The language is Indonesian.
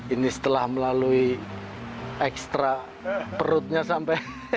ini setelah melalui ekstra perutnya sampai